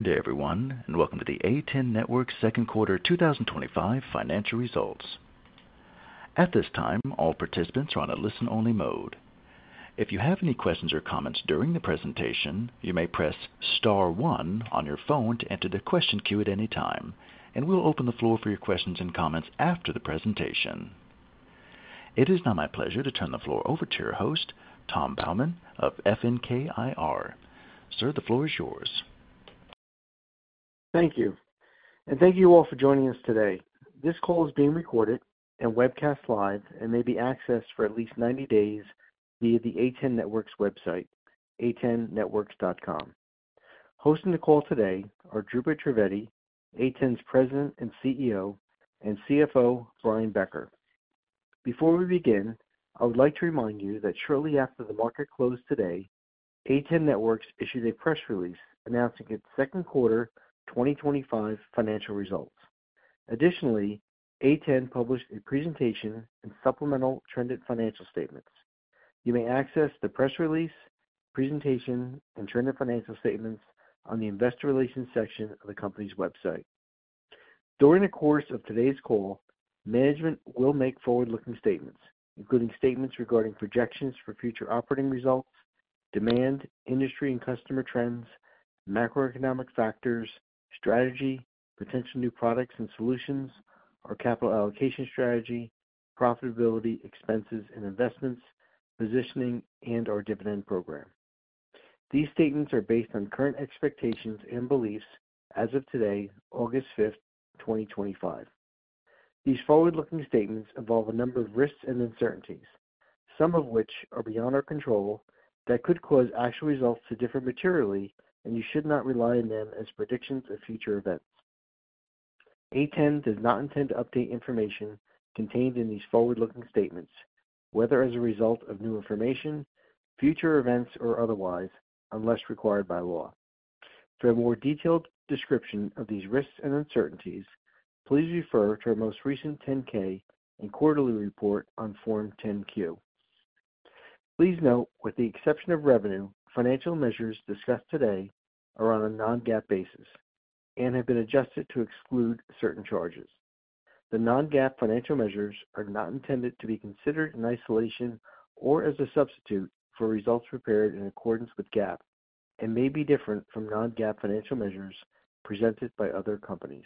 Good day, everyone, and welcome to the A10 Networks Second Quarter 2025 Financial Results. At this time, all participants are on a listen-only mode. If you have any questions or comments during the presentation, you may press *1 on your phone to enter the question queue at any time, and we'll open the floor for your questions and comments after the presentation. It is now my pleasure to turn the floor over to your host, Tom Baumann of FNK IR. Sir, the floor is yours. Thank you, and thank you all for joining us today. This call is being recorded and webcast live and may be accessed for at least 90 days via the A10 Networks website, a10networks.com. Hosting the call today are Dhrupad Trivedi, A10's President and CEO, and CFO Brian Becker. Before we begin, I would like to remind you that shortly after the market closed today, A10 Networks issued a press release announcing its Second Quarter 2025 Financial Results. Additionally, A10 published a presentation and supplemental trended financial statements. You may access the press release, presentation, and trended financial statements on the Investor Relations section of the company's website. During the course of today's call, management will make forward-looking statements, including statements regarding projections for future operating results, demand, industry and customer trends, macroeconomic factors, strategy, potential new products and solutions, our capital allocation strategy, profitability, expenses, and investments, positioning, and our dividend program. These statements are based on current expectations and beliefs as of today, August 5, 2025. These forward-looking statements involve a number of risks and uncertainties, some of which are beyond our control, that could cause actual results to differ materially, and you should not rely on them as predictions of future events. A10 does not intend to update information contained in these forward-looking statements, whether as a result of new information, future events, or otherwise, unless required by law. For a more detailed description of these risks and uncertainties, please refer to our most recent 10-K and quarterly report on Form 10-Q. Please note, with the exception of revenue, financial measures discussed today are on a non-GAAP basis and have been adjusted to exclude certain charges. The non-GAAP financial measures are not intended to be considered in isolation or as a substitute for results prepared in accordance with GAAP and may be different from non-GAAP financial measures presented by other companies.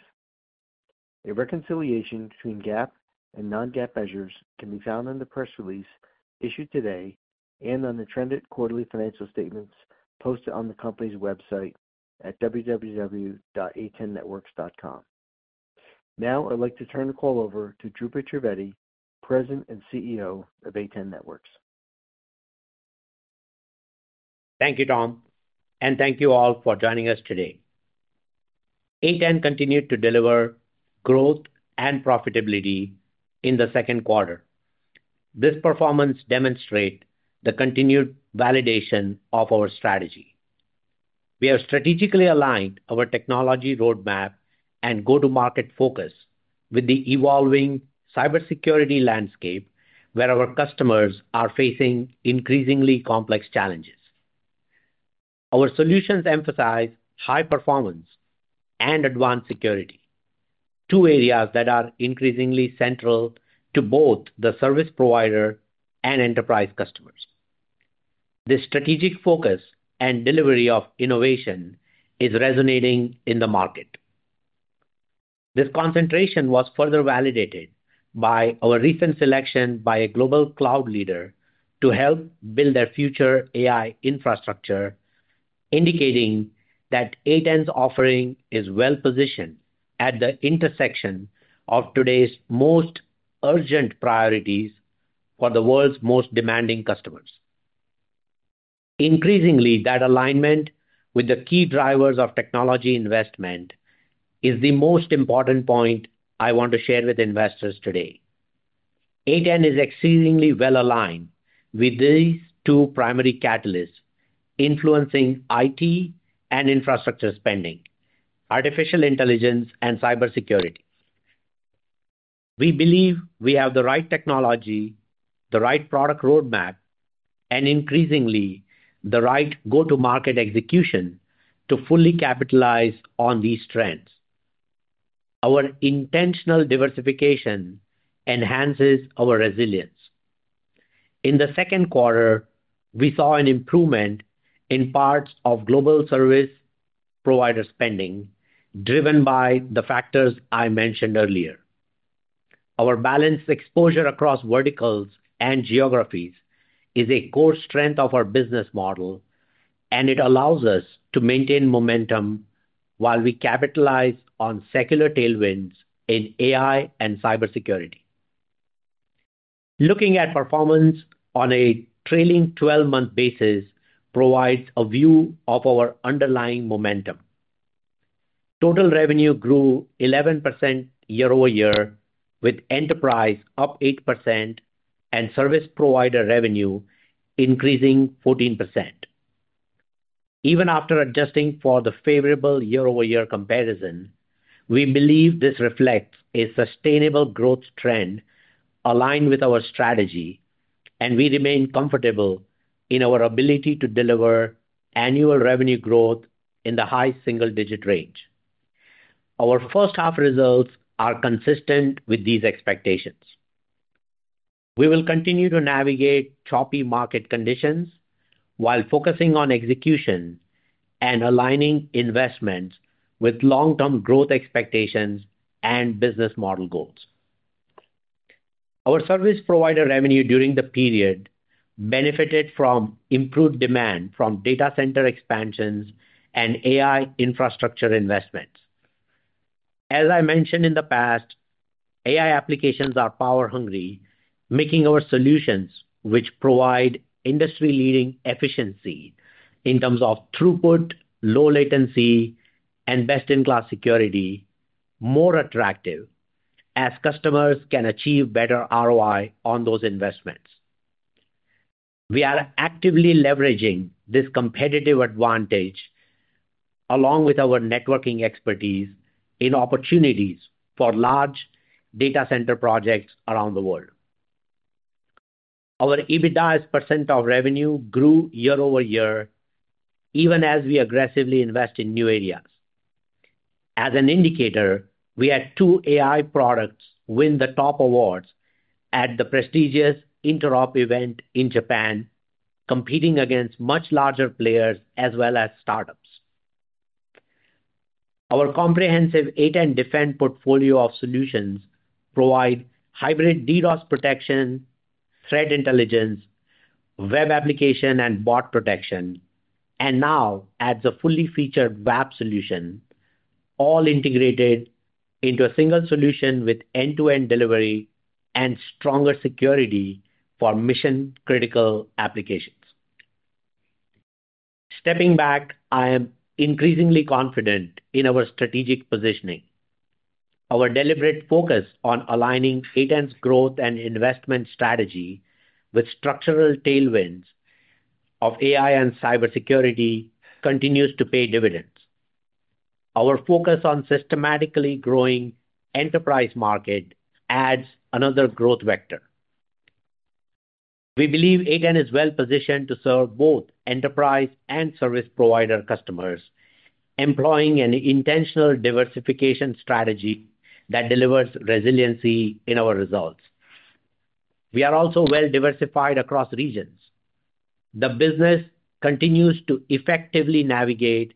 A reconciliation between GAAP and non-GAAP measures can be found in the press release issued today and on the trended quarterly financial statements posted on the company's website at www.a10networks.com. Now, I'd like to turn the call over to Dhrupad Trivedi, President and CEO of A10 Networks. Thank you, Tom, and thank you all for joining us today. A10 Networks continues to deliver growth and profitability in the second quarter. This performance demonstrates the continued validation of our strategy. We have strategically aligned our technology roadmap and go-to-market focus with the evolving cybersecurity landscape, where our customers are facing increasingly complex challenges. Our solutions emphasize high performance and advanced security, two areas that are increasingly central to both the service provider and enterprise customers. This strategic focus and delivery of innovation are resonating in the market. This concentration was further validated by our recent selection by a global cloud leader to help build their future AI infrastructure, indicating that A10 Networks' offering is well-positioned at the intersection of today's most urgent priorities for the world's most demanding customers. Increasingly, that alignment with the key drivers of technology investment is the most important point I want to share with investors today. A10 Networks is exceedingly well aligned with these two primary catalysts influencing IT and infrastructure spending: artificial intelligence and cybersecurity. We believe we have the right technology, the right product roadmap, and increasingly the right go-to-market execution to fully capitalize on these trends. Our intentional diversification enhances our resilience. In the second quarter, we saw an improvement in parts of global service provider spending, driven by the factors I mentioned earlier. Our balanced exposure across verticals and geographies is a core strength of our business model, and it allows us to maintain momentum while we capitalize on secular tailwinds in AI and cybersecurity. Looking at performance on a trailing 12-month basis provides a view of our underlying momentum. Total revenue grew 11% year-over-year, with enterprise up 8% and service provider revenue increasing 14%. Even after adjusting for the favorable year-over-year comparison, we believe this reflects a sustainable growth trend aligned with our strategy, and we remain comfortable in our ability to deliver annual revenue growth in the high single-digit range. Our first-half results are consistent with these expectations. We will continue to navigate choppy market conditions while focusing on execution and aligning investments with long-term growth expectations and business model goals. Our service provider revenue during the period benefited from improved demand from data center expansions and AI infrastructure investments. As I mentioned in the past, AI applications are power-hungry, making our solutions, which provide industry-leading efficiency in terms of throughput, low latency, and best-in-class security, more attractive as customers can achieve better ROI on those investments. We are actively leveraging this competitive advantage, along with our networking expertise in opportunities for large data center projects around the world. Our EBITDA as % of revenue grew year-over-year, even as we aggressively invest in new areas. As an indicator, we had two AI products win the top awards at the prestigious Interop Japan event, competing against much larger players as well as startups. Our comprehensive A10 Defend portfolio of solutions provides hybrid DDoS protection, threat intelligence, web application, and bot protection, and now adds a fully featured WAP solution, all integrated into a single solution with end-to-end delivery and stronger security for mission-critical applications. Stepping back, I am increasingly confident in our strategic positioning. Our deliberate focus on aligning A10 Networks' growth and investment strategy with structural tailwinds of AI and cybersecurity continues to pay dividends. Our focus on systematically growing the enterprise market adds another growth vector. We believe A10 Networks is well-positioned to serve both enterprise and service provider customers, employing an intentional diversification strategy that delivers resiliency in our results. We are also well-diversified across regions. The business continues to effectively navigate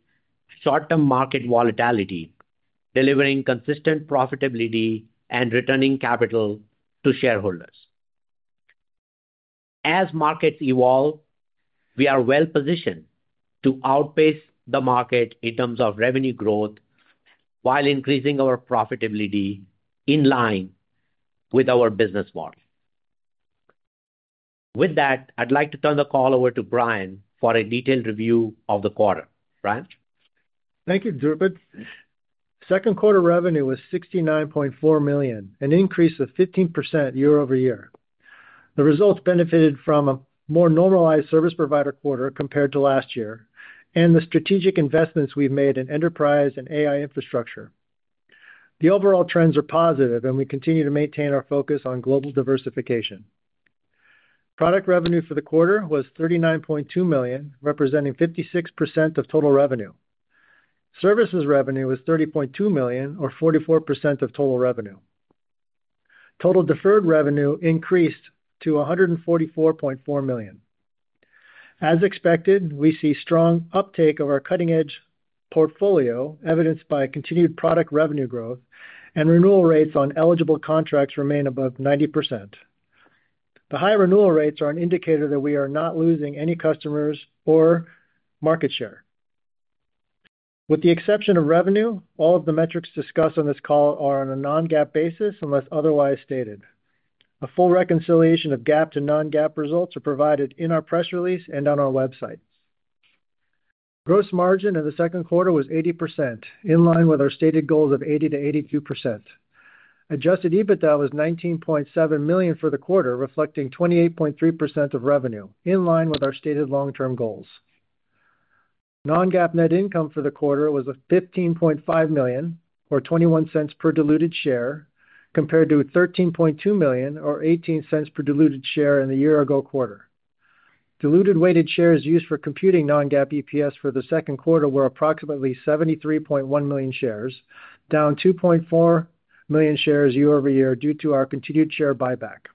short-term market volatility, delivering consistent profitability and returning capital to shareholders. As markets evolve, we are well-positioned to outpace the market in terms of revenue growth while increasing our profitability in line with our business model. With that, I'd like to turn the call over to Brian for a detailed review of the quarter. Brian? Thank you, Dhrupad. Second quarter revenue was $69.4 million, an increase of 15% year-over-year. The results benefited from a more normalized service provider quarter compared to last year and the strategic investments we've made in enterprise and AI infrastructure. The overall trends are positive, and we continue to maintain our focus on global diversification. Product revenue for the quarter was $39.2 million, representing 56% of total revenue. Services revenue was $30.2 million, or 44% of total revenue. Total deferred revenue increased to $144.4 million. As expected, we see strong uptake of our cutting-edge portfolio, evidenced by continued product revenue growth, and renewal rates on eligible contracts remain above 90%. The high renewal rates are an indicator that we are not losing any customers or market share. With the exception of revenue, all of the metrics discussed on this call are on a non-GAAP basis unless otherwise stated. A full reconciliation of GAAP to non-GAAP results is provided in our press release and on our website. Gross margin in the second quarter was 80%, in line with our stated goals of 80%-82%. Adjusted EBITDA was $19.7 million for the quarter, reflecting 28.3% of revenue, in line with our stated long-term goals. Non-GAAP net income for the quarter was $15.5 million, or $0.21 per diluted share, compared to $13.2 million, or $0.18 per diluted share in the year-ago quarter. Diluted weighted shares used for computing non-GAAP EPS for the second quarter were approximately 73.1 million shares, down 2.4 million shares year-over-year due to our continued share buyback.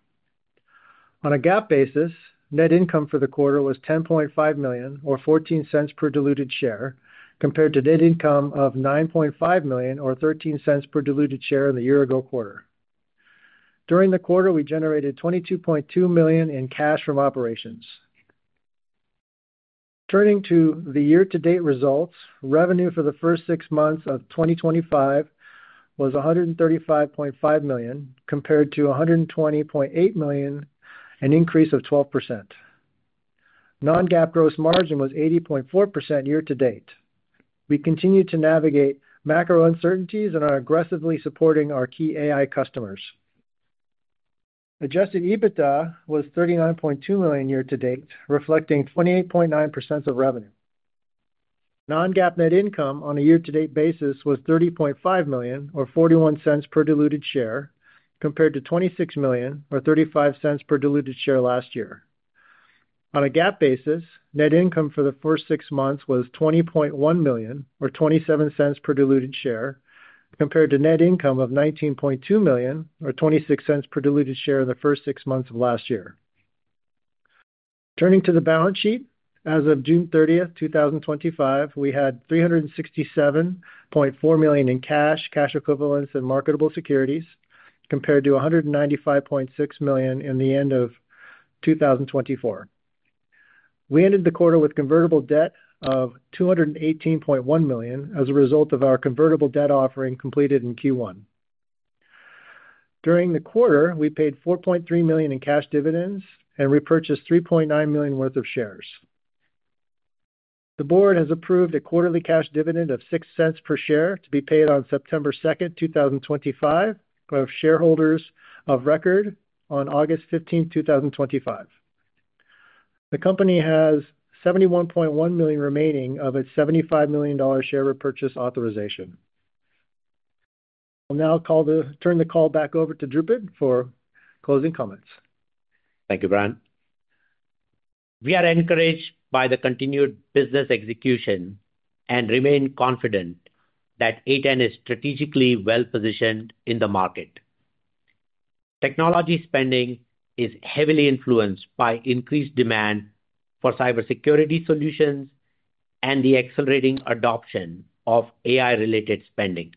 On a GAAP basis, net income for the quarter was $10.5 million, or $0.14 per diluted share, compared to net income of $9.5 million, or $0.13 per diluted share in the year-ago quarter. During the quarter, we generated $22.2 million in cash from operations. Turning to the year-to-date results, revenue for the first six months of 2025 was $135.5 million, compared to $120.8 million, an increase of 12%. Non-GAAP gross margin was 80.4% year-to-date. We continue to navigate macro uncertainties and are aggressively supporting our key AI customers. Adjusted EBITDA was $39.2 million year-to-date, reflecting 28.9% of revenue. Non-GAAP net income on a year-to-date basis was $30.5 million, or $0.41 per diluted share, compared to $26 million, or $0.35 per diluted share last year. On a GAAP basis, net income for the first six months was $20.1 million, or $0.27 per diluted share, compared to net income of $19.2 million, or $0.26 per diluted share in the first six months of last year. Turning to the balance sheet, as of June 30, 2025, we had $367.4 million in cash, cash equivalents, and marketable securities, compared to $195.6 million at the end of 2024. We ended the quarter with convertible debt of $218.1 million as a result of our convertible debt offering completed in Q1. During the quarter, we paid $4.3 million in cash dividends and repurchased $3.9 million worth of shares. The board has approved a quarterly cash dividend of $0.06 per share to be paid on September 2, 2025, to shareholders of record on August 15, 2025. The company has $71.1 million remaining of its $75 million share repurchase authorization. I'll now turn the call back over to Dhrupad for closing comments. Thank you, Brian. We are encouraged by the continued business execution and remain confident that A10 Networks is strategically well-positioned in the market. Technology spending is heavily influenced by increased demand for cybersecurity solutions and the accelerating adoption of AI-related spending.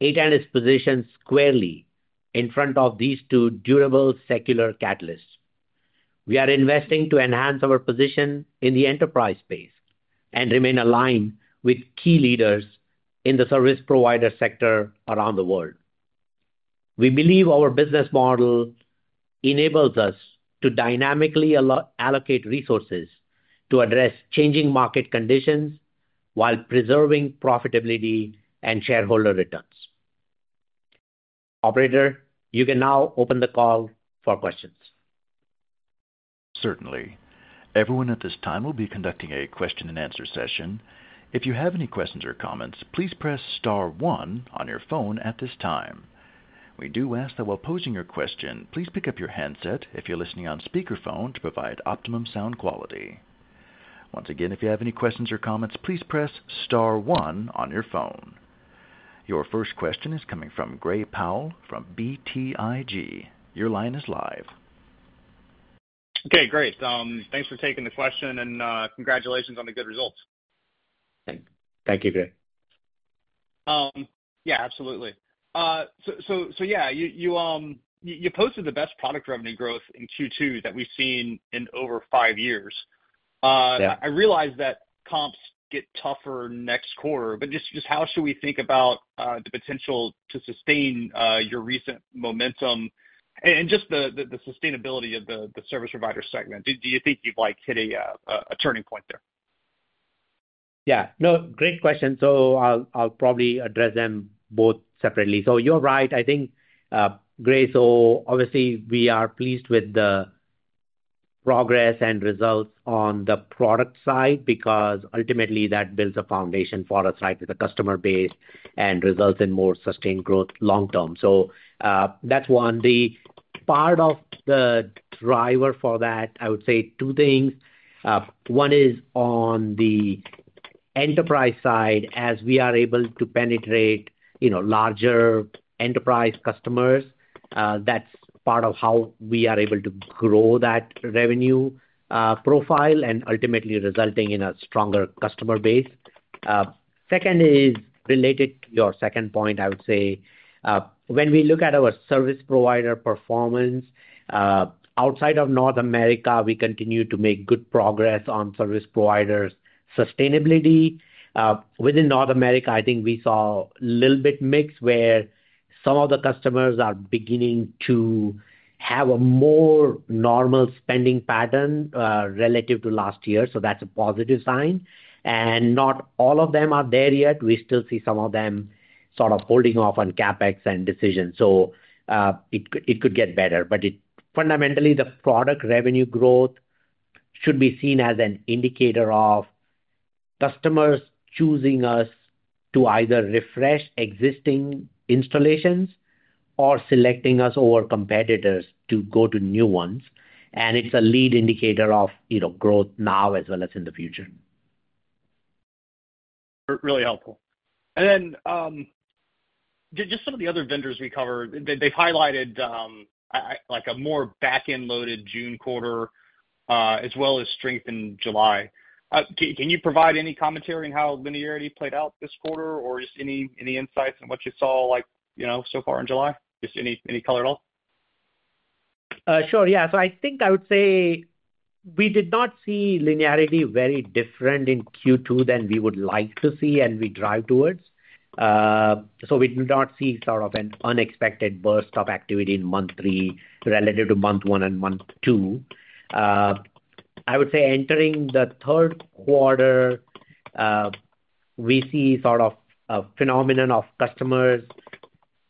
A10 Networks is positioned squarely in front of these two durable secular catalysts. We are investing to enhance our position in the enterprise space and remain aligned with key leaders in the service provider sector around the world. We believe our business model enables us to dynamically allocate resources to address changing market conditions while preserving profitability and shareholder returns. Operator, you can now open the call for questions. Certainly. Everyone at this time will be conducting a question and answer session. If you have any questions or comments, please press *1 on your phone at this time. We do ask that while posing your question, please pick up your headset if you're listening on speakerphone to provide optimum sound quality. Once again, if you have any questions or comments, please press *1 on your phone. Your first question is coming from Gray Powell from BTIG. Your line is live. Okay, great. Thanks for taking the question and congratulations on the good results. Thank you, Gray. Yeah, absolutely. You posted the best product revenue growth in Q2 that we've seen in over five years. I realize that comps get tougher next quarter, but just how should we think about the potential to sustain your recent momentum and the sustainability of the service provider segment? Do you think you've hit a turning point there? Yeah, great question. I'll probably address them both separately. You're right. I think, Gray, obviously we are pleased with the progress and results on the product side because ultimately that builds a foundation for us with the customer base and results in more sustained growth long term. That's one. Part of the driver for that, I would say two things. One is on the enterprise side as we are able to penetrate larger enterprise customers. That's part of how we are able to grow that revenue profile and ultimately resulting in a stronger customer base. Second is related to your second point, I would say. When we look at our service provider performance, outside of North America, we continue to make good progress on service providers' sustainability. Within North America, I think we saw a little bit of a mix where some of the customers are beginning to have a more normal spending pattern relative to last year. That's a positive sign. Not all of them are there yet. We still see some of them sort of holding off on CapEx and decisions. It could get better. Fundamentally, the product revenue growth should be seen as an indicator of customers choosing us to either refresh existing installations or selecting us over competitors to go to new ones. It's a lead indicator of growth now as well as in the future. Really helpful. Just some of the other vendors we covered, they've highlighted like a more back-end loaded June quarter as well as strength in July. Can you provide any commentary on how linearity played out this quarter or just any insights on what you saw, you know, so far in July? Just any color at all? Sure, yeah. I think I would say we did not see linearity very different in Q2 than we would like to see and we drive towards. We did not see an unexpected burst of activity in month three relative to month one and month two. I would say entering the third quarter, we see a phenomenon of customers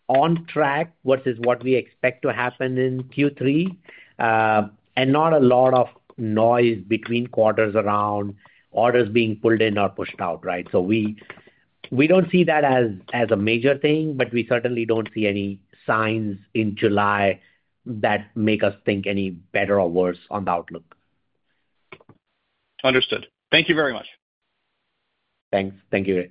on track versus what we expect to happen in Q3. Not a lot of noise between quarters around orders being pulled in or pushed out, right? We don't see that as a major thing, but we certainly don't see any signs in July that make us think any better or worse on the outlook. Understood. Thank you very much. Thanks. Thank you, Gray.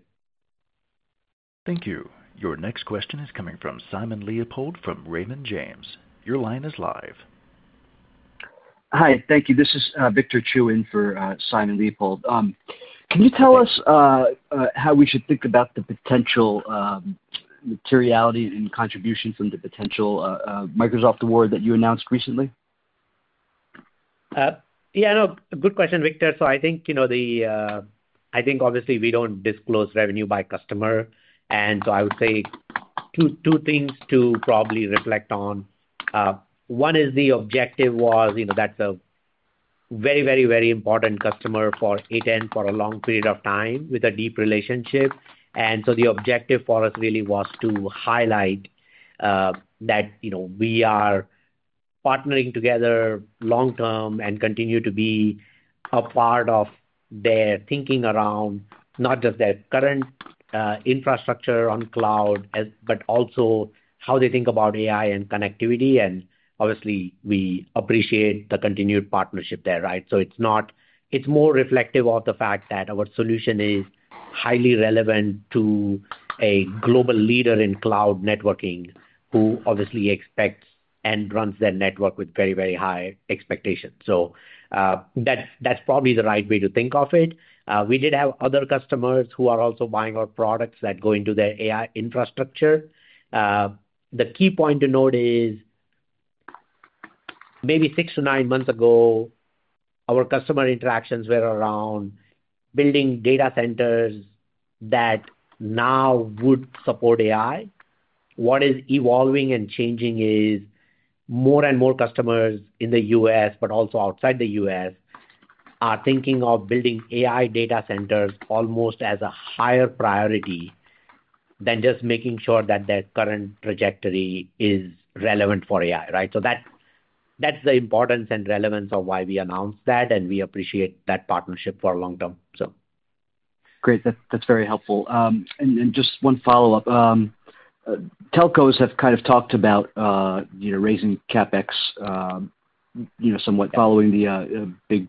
Thank you. Your next question is coming from Simon Leopold from Raymond James. Your line is live. Hi, thank you. This is Victor Chu in for Simon Leopold. Can you tell us how we should think about the potential materiality and contribution from the potential Microsoft award that you announced recently? Yeah, good question, Victor. I think, obviously, we don't disclose revenue by customer. I would say two things to probably reflect on. One is the objective was, that's a very, very, very important customer for A10 Networks for a long period of time with a deep relationship. The objective for us really was to highlight that we are partnering together long term and continue to be a part of their thinking around not just their current infrastructure on cloud, but also how they think about AI and connectivity. We appreciate the continued partnership there, right? It's more reflective of the fact that our solution is highly relevant to a global leader in cloud networking who obviously expects and runs their network with very, very high expectations. That's probably the right way to think of it. We did have other customers who are also buying our products that go into their AI infrastructure. The key point to note is maybe six to nine months ago, our customer interactions were around building data centers that now would support AI. What is evolving and changing is more and more customers in the U.S., but also outside the U.S., are thinking of building AI data centers almost as a higher priority than just making sure that their current trajectory is relevant for AI, right? That's the importance and relevance of why we announced that, and we appreciate that partnership for a long term. Great. That's very helpful. Just one follow-up. Telcos have kind of talked about, you know, raising CapEx, you know, somewhat following the big,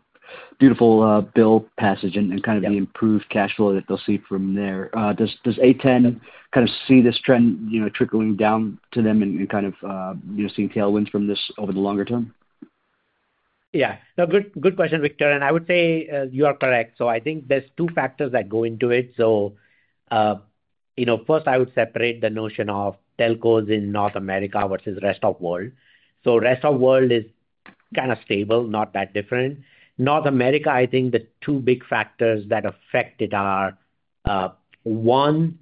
beautiful bill passage and kind of the improved cash flow that they'll see from there. Does A10 Networks kind of see this trend, you know, trickling down to them and kind of, you know, seeing tailwinds from this over the longer term? Yeah, good question, Victor. I would say you are correct. I think there are two factors that go into it. First, I would separate the notion of telcos in North America versus the rest of the world. The rest of the world is kind of stable, not that different. North America, I think the two big factors that affect it are, one,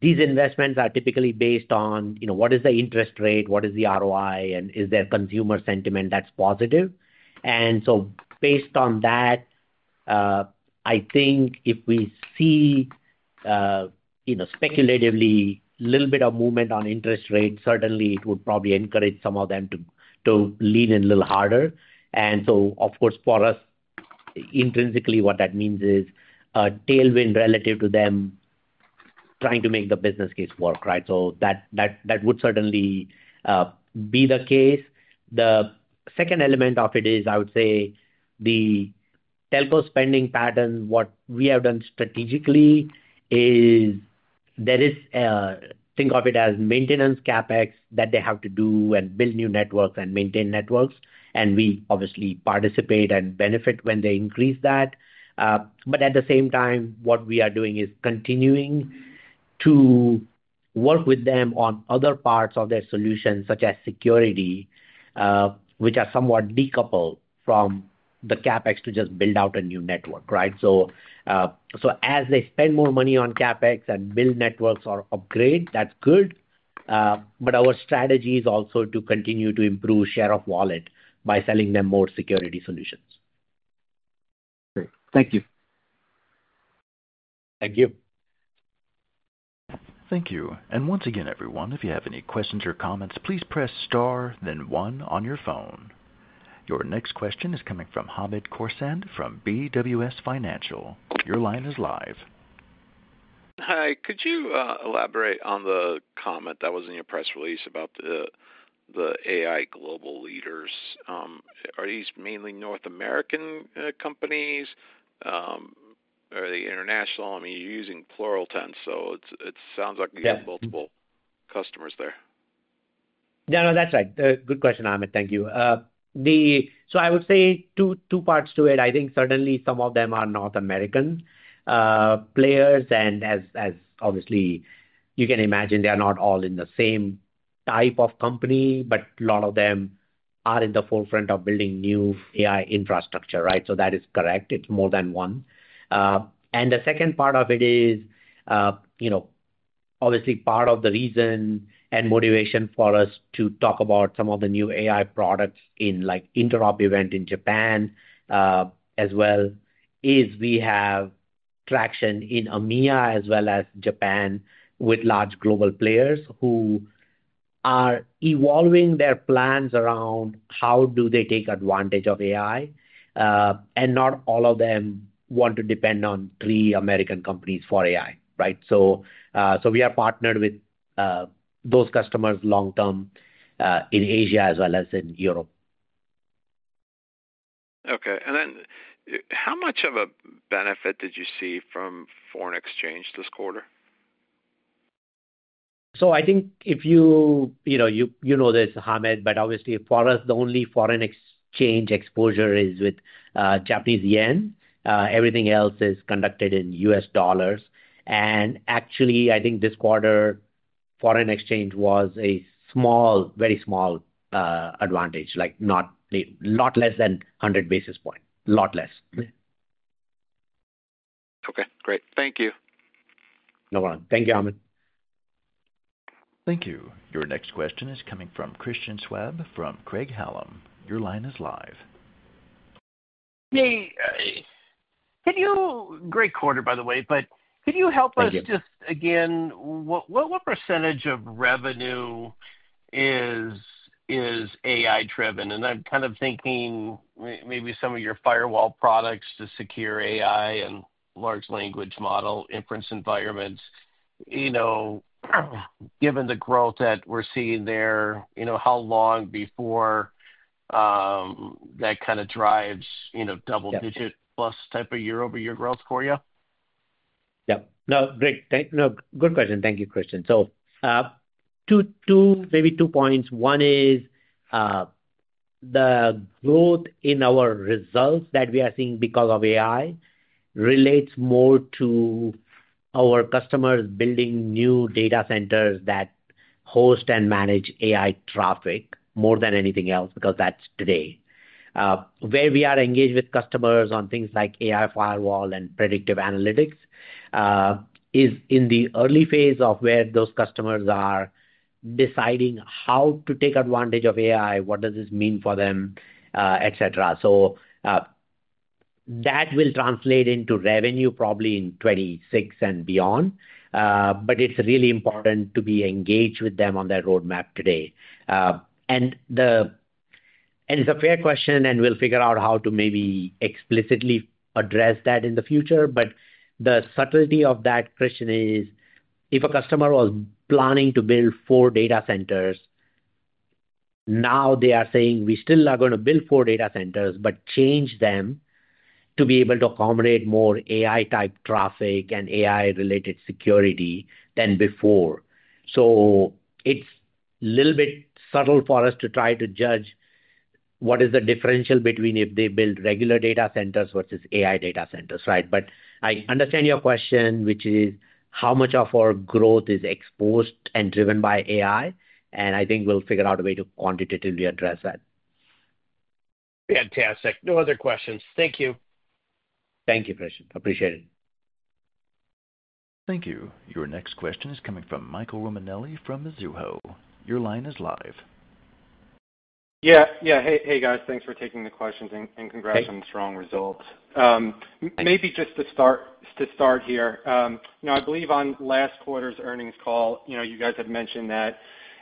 these investments are typically based on what is the interest rate, what is the ROI, and is there consumer sentiment that's positive? Based on that, I think if we see, speculatively, a little bit of movement on interest rates, certainly it would probably encourage some of them to lean in a little harder. Of course, for us, intrinsically, what that means is a tailwind relative to them trying to make the business case work, right? That would certainly be the case. The second element of it is, I would say, the telco spending pattern. What we have done strategically is there is, think of it as maintenance CapEx that they have to do and build new networks and maintain networks. We obviously participate and benefit when they increase that. At the same time, what we are doing is continuing to work with them on other parts of their solutions, such as security, which are somewhat decoupled from the CapEx to just build out a new network, right? As they spend more money on CapEx and build networks or upgrade, that's good. Our strategy is also to continue to improve share of wallet by selling them more security solutions. Great. Thank you. Thank you. Thank you. Once again, everyone, if you have any questions or comments, please press * then 1 on your phone. Your next question is coming from Hamed Khorsand from BWS Financials. Your line is live. Could you elaborate on the comment that was in your press release about the AI global leaders? Are these mainly North American companies? Are they international? I mean, you're using plural tense, so it sounds like you have multiple customers there. No, no, that's right. Good question, Hamed. Thank you. I would say two parts to it. I think certainly some of them are North American players. As obviously you can imagine, they are not all in the same type of company, but a lot of them are in the forefront of building new AI infrastructure, right? That is correct. It's more than one. The second part of it is, you know, obviously part of the reason and motivation for us to talk about some of the new AI products in like Interop Japan as well is we have traction in EMEA as well as Japan with large global players who are evolving their plans around how do they take advantage of AI. Not all of them want to depend on three American companies for AI, right? We are partnered with those customers long term in Asia as well as in Europe. Okay, how much of a benefit did you see from foreign exchange this quarter? I think if you, you know this, Hamed, but obviously for us, the only foreign exchange exposure is with Japanese yen. Everything else is conducted in U.S. dollars. Actually, I think this quarter, foreign exchange was a small, very small advantage, like not a lot, less than 100 basis points, a lot less. Okay, great. Thank you. No problem. Thank you, Hamed. Thank you. Your next question is coming from Christian Schwab from Craig-Hallum. Your line is live. Hey, great quarter, by the way. Can you help us just again, what % of revenue is AI-driven? I'm kind of thinking maybe some of your firewall products to secure AI and large language model inference environments. You know, given the growth that we're seeing there, how long before that kind of drives double-digit plus type of year-over-year growth for you? No, great. No, good question. Thank you, Christian. Two, maybe two points. One is, the growth in our results that we are seeing because of AI relates more to our customers building new data centers that host and manage AI traffic more than anything else because that's today. Where we are engaged with customers on things like AI firewall and predictive analytics is in the early phase of where those customers are deciding how to take advantage of AI, what does this mean for them, et cetera. That will translate into revenue probably in 2026 and beyond. It's really important to be engaged with them on their roadmap today. It's a fair question, and we'll figure out how to maybe explicitly address that in the future. The subtlety of that, Christian, is if a customer was planning to build four data centers, now they are saying we still are going to build four data centers, but change them to be able to accommodate more AI-type traffic and AI-related security than before. It's a little bit subtle for us to try to judge what is the differential between if they build regular data centers versus AI data centers, right? I understand your question, which is how much of our growth is exposed and driven by AI, and I think we'll figure out a way to quantitatively address that. Fantastic. No other questions. Thank you. Thank you, Christian. Appreciate it. Thank you. Your next question is coming from Michael Romanelli from Mizuho. Your line is live. Hey guys, thanks for taking the questions and congrats on the strong results. Maybe just to start here, I believe on last quarter's earnings call, you guys had mentioned that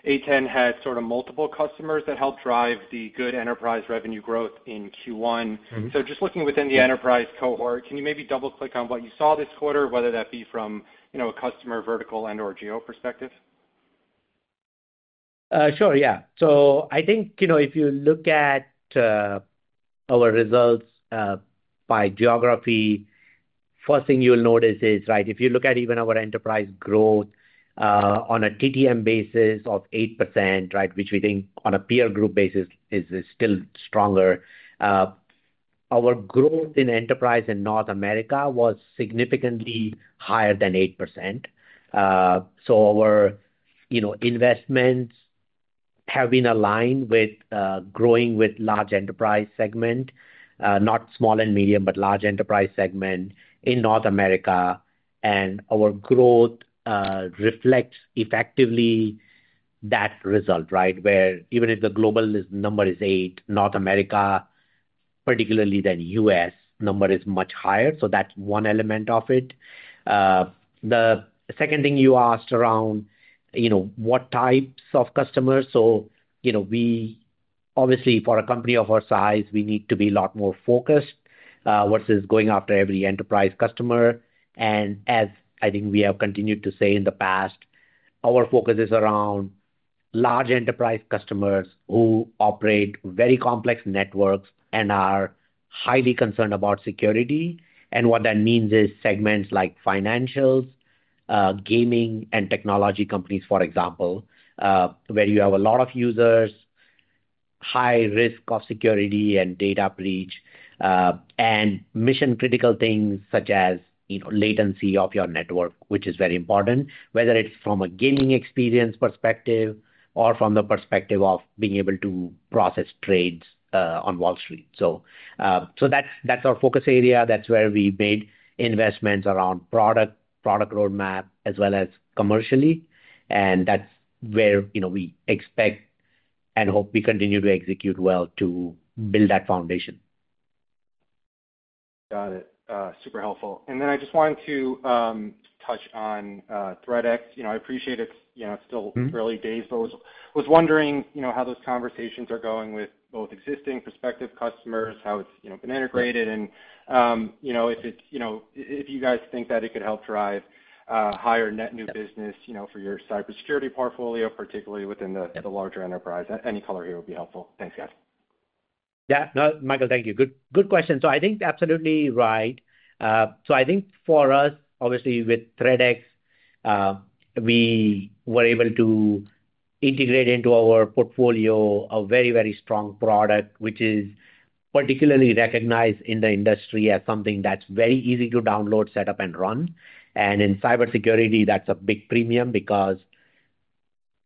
A10 Networks had sort of multiple customers that helped drive the good enterprise revenue growth in Q1. Just looking within the enterprise cohort, can you maybe double-click on what you saw this quarter, whether that be from a customer vertical and/or geo perspective? Sure, yeah. I think, you know, if you look at our results by geography, first thing you'll notice is, right, if you look at even our enterprise growth on a trailing 12-month basis of 8%, which we think on a peer group basis is still stronger, our growth in enterprise in North America was significantly higher than 8%. Our investments have been aligned with growing with large enterprise segment, not small and medium, but large enterprise segment in North America. Our growth reflects effectively that result, where even if the global number is 8%, North America, particularly the U.S. number, is much higher. That's one element of it. The second thing you asked around, you know, what types of customers. We obviously, for a company of our size, need to be a lot more focused versus going after every enterprise customer. As I think we have continued to say in the past, our focus is around large enterprise customers who operate very complex networks and are highly concerned about security. What that means is segments like financials, gaming, and technology companies, for example, where you have a lot of users, high risk of security and data breach, and mission-critical things such as latency of your network, which is very important, whether it's from a gaming experience perspective or from the perspective of being able to process trades on Wall Street. That's our focus area. That's where we made investments around product roadmap as well as commercially. That's where we expect and hope we continue to execute well to build that foundation. Got it. Super helpful. I just wanted to touch on ThreadX. I appreciate it's still early days, but I was wondering how those conversations are going with both existing and prospective customers, how it's been integrated, and if you guys think that it could help drive a higher net new business for your cybersecurity portfolio, particularly within the larger enterprise. Any color here would be helpful. Thanks, guys. Yeah, no, Michael, thank you. Good question. I think absolutely right. I think for us, obviously, with ThreadX, we were able to integrate into our portfolio a very, very strong product, which is particularly recognized in the industry as something that's very easy to download, set up, and run. In cybersecurity, that's a big premium because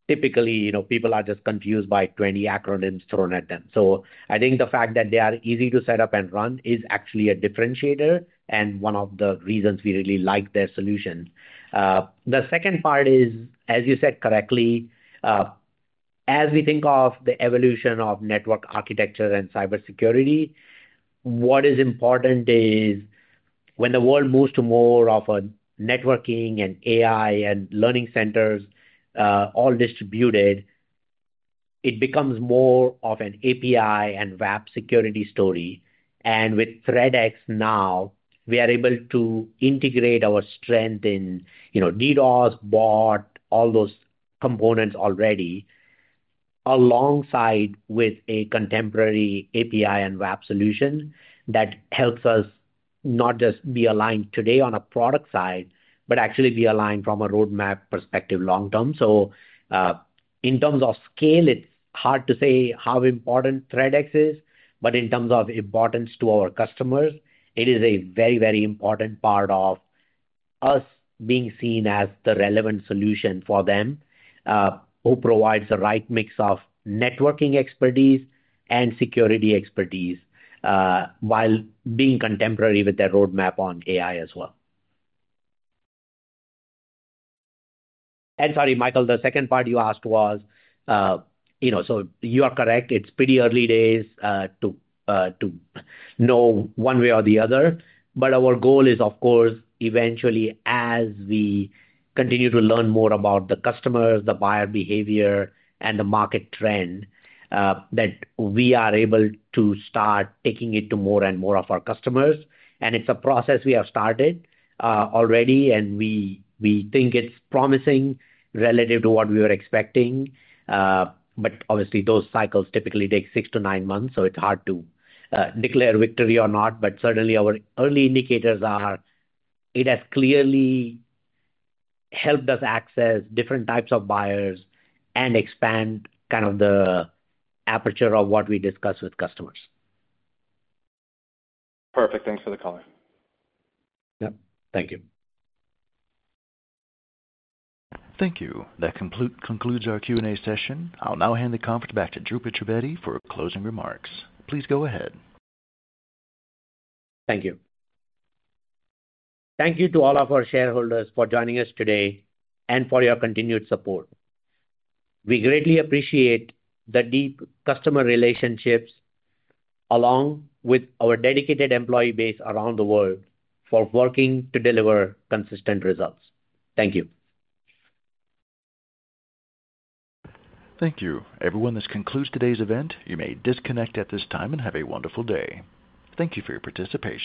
typically, people are just confused by 20 acronyms thrown at them. I think the fact that they are easy to set up and run is actually a differentiator and one of the reasons we really like their solution. The second part is, as you said correctly, as we think of the evolution of network architecture and cybersecurity, what is important is when the world moves to more of a networking and AI and learning centers, all distributed, it becomes more of an API and web application protection security story. With ThreadX now, we are able to integrate our strength in DDoS, bot, all those components already, alongside with a contemporary API and web application protection solution that helps us not just be aligned today on a product side, but actually be aligned from a roadmap perspective long term. In terms of scale, it's hard to say how important ThreadX is, but in terms of importance to our customers, it is a very, very important part of us being seen as the relevant solution for them, who provides the right mix of networking expertise and security expertise, while being contemporary with their roadmap on AI as well. Sorry, Michael, the second part you asked was, you are correct, it's pretty early days to know one way or the other, but our goal is, of course, eventually, as we continue to learn more about the customers, the buyer behavior, and the market trend, that we are able to start taking it to more and more of our customers. It's a process we have started already, and we think it's promising relative to what we were expecting. Obviously, those cycles typically take six to nine months, so it's hard to declare victory or not, but certainly, our early indicators are it has clearly helped us access different types of buyers and expand kind of the aperture of what we discuss with customers. Perfect. Thanks for the call. Thank you. Thank you. That concludes our Q&A session. I'll now hand the conference back to Dhrupad Trivedi for closing remarks. Please go ahead. Thank you. Thank you to all of our shareholders for joining us today and for your continued support. We greatly appreciate the deep customer relationships, along with our dedicated employee base around the world for working to deliver consistent results. Thank you. Thank you. Everyone, this concludes today's event. You may disconnect at this time and have a wonderful day. Thank you for your participation.